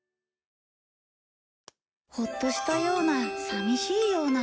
ホッとしたような寂しいような。